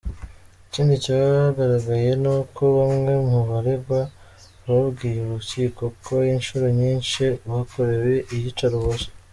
Ikindi cyagaragaye, ni uko bamwe mu baregwa babwiye urukiko ko inshuro nyinshi bakorewe iyicarubozo.